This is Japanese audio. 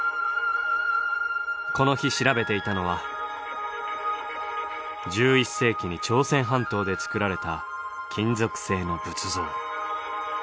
この日調べていたのは１１世紀に朝鮮半島で作られた金属製の仏像。